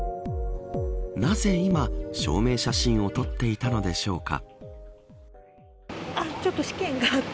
なぜ今、証明写真を撮っていたのでしょうか。